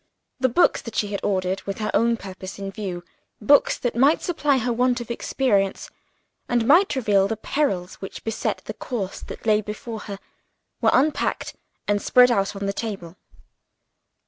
The books that she had ordered, with her own purpose in view books that might supply her want of experience, and might reveal the perils which beset the course that lay before her were unpacked and spread out on the table.